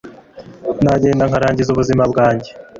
Nagenda nkarangiza ubuzima bwanjye